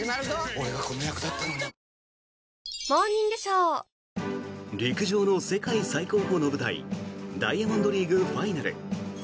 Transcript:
俺がこの役だったのに陸上の世界最高峰の舞台ダイヤモンドリーグファイナル。